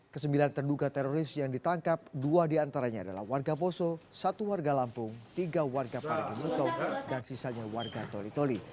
kesembilan terduga teroris yang ditangkap dua diantaranya adalah warga poso satu warga lampung tiga warga parigi muto dan sisanya warga toli toli